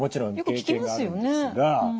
よく聞きますよね。